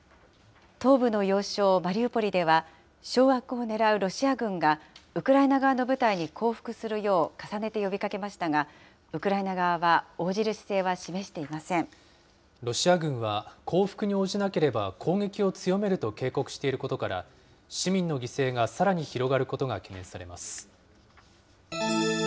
東部の要衝マリウポリでは、掌握をねらうロシア軍が、ウクライナ側の部隊に降伏するよう、重ねて呼びかけましたが、ウクライナ側は応じる姿勢は示していませロシア軍は、降伏に応じなければ攻撃を強めると警告していることから、市民の犠牲がさらに広がることが懸念されます。